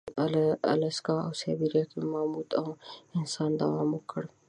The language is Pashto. الاسکا او سابیریا کې ماموت او انسان دوام وکړ.